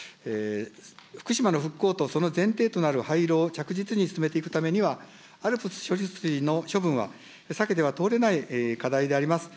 福島の復興とその前提となる廃炉を着実に進めていくためには、ＡＬＰＳ処理水の処分は、避けては通れない課題であります。